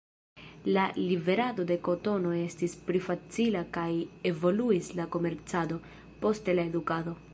La liverado de kotono estis pli facila kaj evoluis la komercado, poste la edukado.